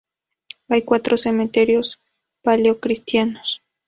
Hay cuatro cementerios paleocristianos.